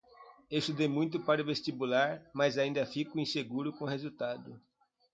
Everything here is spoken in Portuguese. Estudei muito para o vestibular, mas ainda fico inseguro com o resultado.